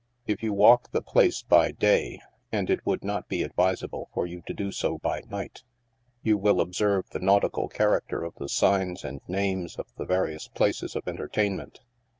If you walk the place by day— and it would not be advisable for you to do so by night— you will observe the nautical character of the signs and names of the various places of entertainment.